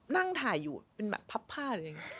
นั่งถ่ายอยู่เป็นแบบพับผ้า